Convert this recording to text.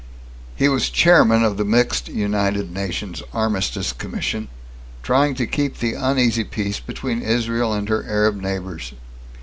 He was chairman of the mixed United Nations armistice commission trying to keep the uneasy peace between Israel and her Arab neighbors.